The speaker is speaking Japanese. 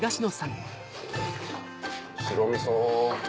白みそ。